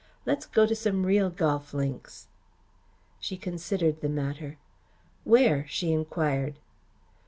Let's go to some real golf links." She considered the matter. "Where?" she enquired.